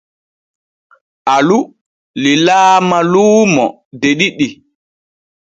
Alu lilaama luumo de ɗiɗi.